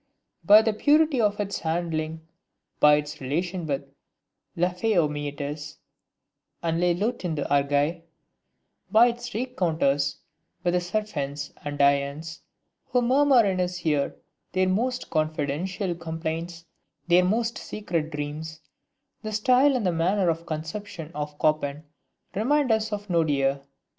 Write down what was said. By the purity of its handling, by its relation with LA FEE AUX MIETTES and LES LUTINS D'ARGAIL, by its rencounters with the SERAPHINS and DIANES, who murmur in his ear their most confidential complaints, their most secret dreams, the style and the manner of conception of Chopin remind us of Nodier.